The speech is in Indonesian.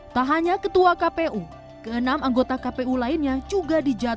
tak hanya ketua kpu keenam anggota kpu lainnya juga dijatuhi